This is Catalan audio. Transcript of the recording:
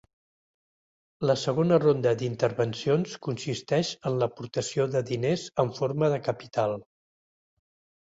La segona ronda d'intervencions consisteix en l'aportació de diners en forma de capital.